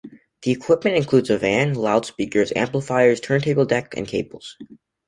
The equipment includes a van, loudspeakers, amplifiers, turntable decks and cables.